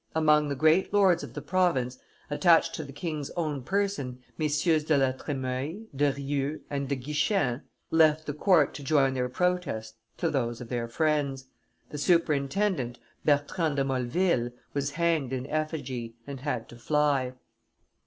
Among the great lords of the province, attached to the king's own person, MM. de La Tremoille, de Rieux, and de Guichen left the court to join their protests to those of their friends; the superintendent, Bertrand de Molleville, was hanged in effigy and had to fly.